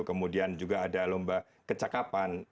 kemudian juga ada lomba kecakapan